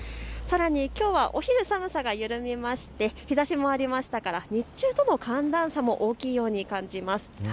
さらにきょうはお昼、寒さが緩みまして日ざしもありましたから日中との寒暖差が大きいようにも感じます。